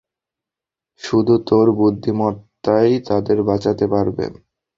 শুধু তোর বুদ্ধিমত্তাই তাদের বাঁচাতে পারবে।